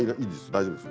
大丈夫です。